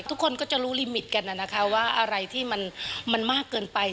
ทุกคนก็จะรู้ลิมิตกันนะคะว่าอะไรที่มันมากเกินไป